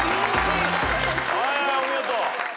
はいはいお見事。